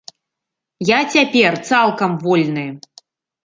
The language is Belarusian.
Я цяпер цалкам вольны.